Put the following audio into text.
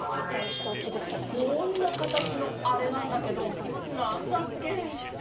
こんなかたちのあれなんだけどなんだっけ？